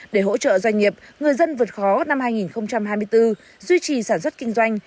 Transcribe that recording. để hỗ trợ doanh nghiệp người dân vượt khó năm hai nghìn hai mươi bốn duy trì sản xuất kinh doanh